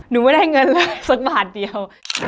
หนูไม่ได้เงินเลยสักบาทเดียว